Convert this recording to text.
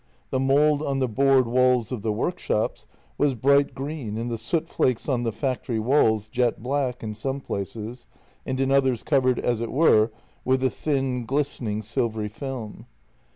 The mould on the board walls of the workshops was bright green and the soot flakes on the factory walls jet black in some places and in others covered, as it were, with a thin, glistening silvery film.